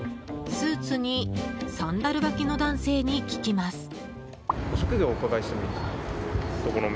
スーツにサンダル履きの男性に聞きます。